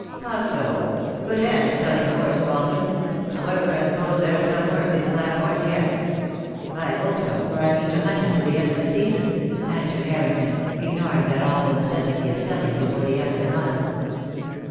"Thought so. Good hand at selling a horse, Baldwin! The Day will come, II, 2 I 8 THE DAY WILL COME. However, I suppose there's some work in the black horse yet." "I hope so, for I mean to hunt him to the end of the season," answered Harrington, ignoring that awful necessity of selling before the end of the month.